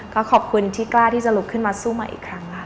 ก็ขอบคุณที่กล้าที่จะลุกขึ้นมาสู้ใหม่อีกครั้งค่ะ